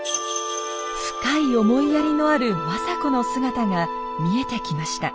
深い思いやりのある政子の姿が見えてきました。